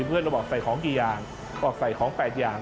เพื่อนเราบอกใส่ของกี่อย่างออกใส่ของ๘อย่าง